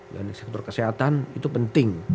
dan sektor kesehatan itu penting